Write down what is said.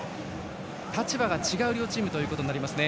立場が違う両チームということになりますね。